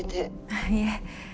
あっいえ。